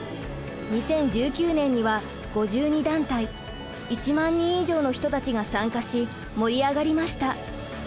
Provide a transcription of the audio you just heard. ２０１９年には５２団体１万人以上の人たちが参加し盛り上がりました。